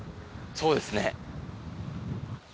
そうですね。